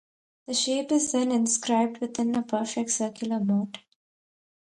This shape is then inscribed within a perfect circular moat.